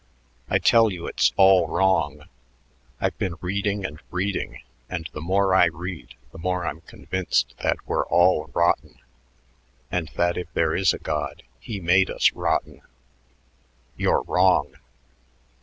I tell you it's all wrong. I've been reading and reading, and the more I read the more I'm convinced that we're all rotten and that if there is a god he made us rotten." "You're wrong!"